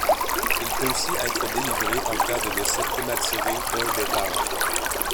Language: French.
Il peut aussi être délivré en cas de décès prématuré d’un des parents.